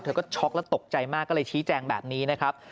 เธอก็ช็อกแล้วตกใจมากก็เลยชี้แจงแบบนี้นะครับ